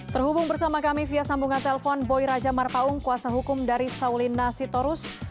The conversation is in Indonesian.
terhubung bersama kami via sambungan telpon boy raja marpaung kuasa hukum dari saulina sitorus